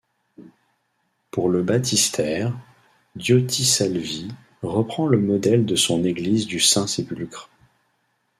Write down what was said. Pour le baptistère, Diotisalvi reprend le modèle de son église du Saint-Sépulcre.